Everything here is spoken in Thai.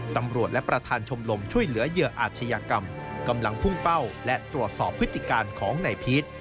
ตำรวจและประธานชมรมช่วยเหลือเหยื่ออาชญากรรมกำลังพุ่งเป้าและตรวจสอบพฤติการของนายพีช